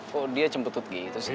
kok dia cempet cempet gitu sih